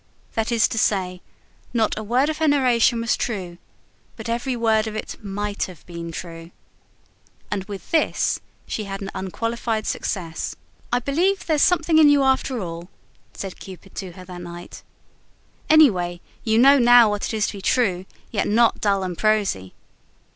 That is to say: not a word of her narration was true, but every word of it might have been true. And with this she had an unqualified success. "I believe there's something in you after all," said Cupid to her that night. "Anyhow, you know now what it is to be true, yet not dull and prosy."